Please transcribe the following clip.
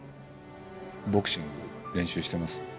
ボクシング練習してます？